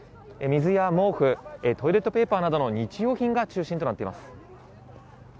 水や毛布、トイレットペーパーなどの日用品が中心となっています。